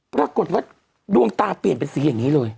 ปรากฏว่าดวงตาเปลี่ยนเป็นสีอย่างนี้เลย